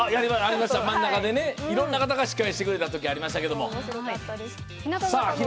真ん中でね、いろんな方が司会してくれたことがありましたけど。